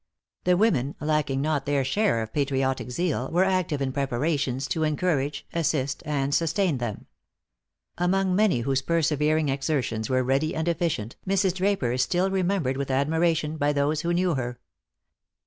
The women, lacking not their share of patriotic zeal, were active in preparations to encourage, assist, and sustain them. Among many whose persevering exertions were ready and efficient, Mrs. Draper is still remembered with admiration by those who knew her.